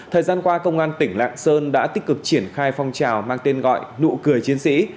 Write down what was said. thời gian qua công an tỉnh lạng sơn đã tích cực triển khai phong trào mang tên gọi nụ cười chiến sĩ